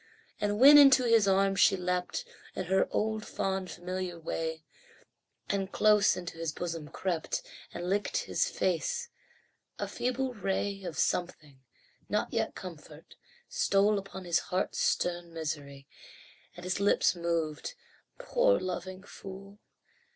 And when into his arms she leapt In her old fond, familiar way, And close into his bosom crept, And licked his face a feeble ray Of something not yet comfort stole Upon his heart's stern misery, And his lips moved, "Poor loving fool!